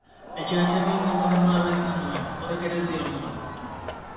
Etxeratzeko zenbat denbora behar izan nuen, horrek ere ez dio ardura.